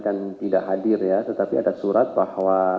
kan tidak hadir ya tetapi ada surat bahwa